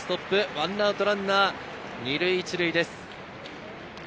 １アウトランナー２塁１塁です。